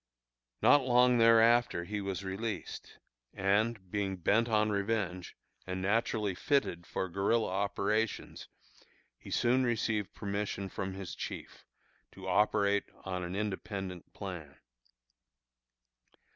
Not long thereafter he was released; and, being bent on revenge, and naturally fitted for guerilla operations, he soon received permission from his chief, to operate on an independent plan.